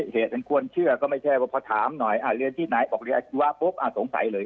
เหตุอันควรเชื่อก็ไม่ใช่ว่าพอถามหน่อยเรือนที่ไหนบอกว่าสงสัยเลย